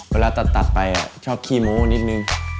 เวลาตัดไปชอบขี้โม้นิดนึง